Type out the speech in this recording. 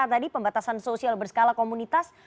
tadi pembatasan sosial berskala komunitas